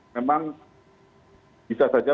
memang bisa saja